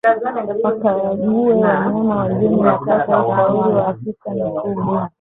Wakague wanyama wageni na pata ushauri wa afisa mifugo